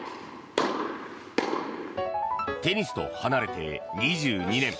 テニスと離れて２２年。